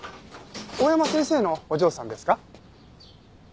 大山先生のお嬢さんですか？